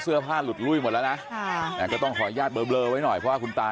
เสื้อผ้าหลุดลุ้ยหมดแล้วนะอ่ะก็ต้องขออนุญาตเบอร์เบลอไว้หน่อยพ่อคุณตา